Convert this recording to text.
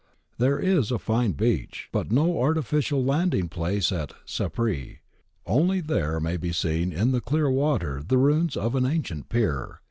2 There is a fine beach, but no artificial landing place at Sapri. Only there may be seen in the clear water the ruins of an ancient pier.